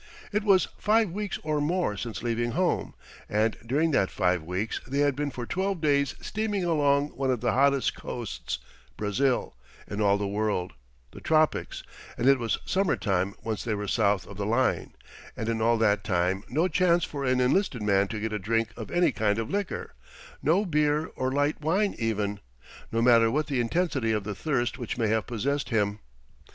It was five weeks or more since leaving home, and during that five weeks they had been for twelve days steaming along one of the hottest coasts (Brazil) in all the world the tropics and it was summer time once they were south of the line; and in all that time no chance for an enlisted man to get a drink of any kind of liquor no beer or light wine even no matter what the intensity of the thirst which may have possessed him.